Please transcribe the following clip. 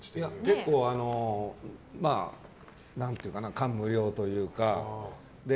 結構、感無量というか。